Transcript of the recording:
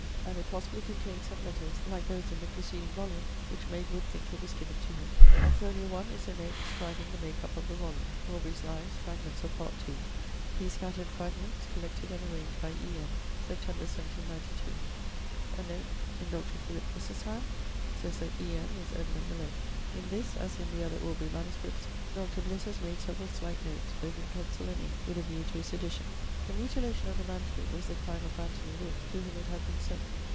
and it possibly contained some letters, like those in the preceding volume, which made Wood think it was given to him. On fol. 1, is a note describing the make up of the volume: 'Aubrey's Lives: fragments of part ii. These scattered fragments collected and arranged by E. M. Sep. 1792.' A note (in Dr. Philip Bliss's hand?) says that E. M. is Edmund Malone. In this, as in the other Aubrey MSS., Dr. Bliss has made several slight notes, both in pencil and ink, with a view to his edition. The mutilation of the MS. was the crime of Anthony Wood, to whom it had been sent.